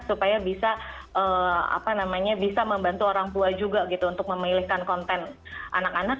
supaya bisa membantu orang tua juga gitu untuk memilihkan konten anak anak